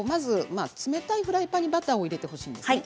冷たいフライパンにバターを入れてほしいんです。